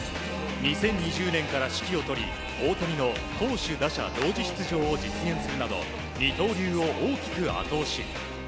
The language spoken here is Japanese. ２０２０年から指揮を執り大谷の投手打者同時出場を実現するなど二刀流を大きく後押し。